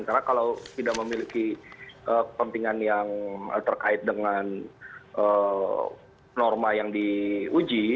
karena kalau tidak memiliki kepentingan yang terkait dengan norma yang diuji